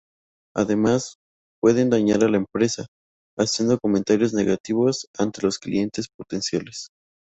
Además, pueden dañar a la empresa, haciendo comentarios negativos ante los clientes potenciales.